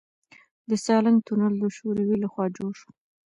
د سالنګ تونل د شوروي لخوا جوړ شو